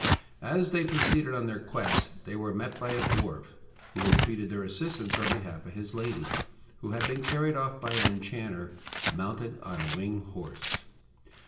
As they proceeded on their quest they were met by a dwarf, who entreated their assistance in behalf of his lady, who had been carried off by an enchanter, mounted on a winged horse.